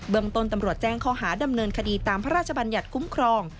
เมืองต้นตำรวจแจ้งข้อหาดำเนินคดีตามพระราชบัญญัติคุ้มครอง